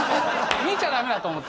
見ちゃダメだと思って。